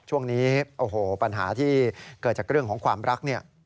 ช่วงนี้โอ้โหปัญหาที่เกิดจากเรื่องของความรักเนี่ย